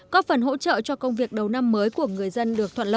có phần hỗ trợ cho công việc đầu năm mới của người dân được thuận lợi